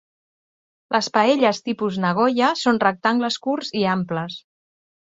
Les paelles tipus Nagoya són rectangles curts i amples